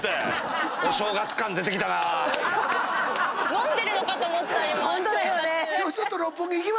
飲んでるのかと思った今。